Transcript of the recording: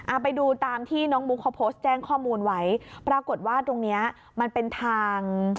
ไปดูตามที่น้องมุกเขาโพสต์แจ้งข้อมูลไว้ปรากฏว่าตรงเนี้ยมันเป็นทาง